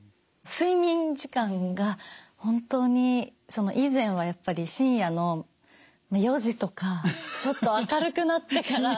睡眠時間が本当にその以前はやっぱり深夜の４時とかちょっと明るくなってから。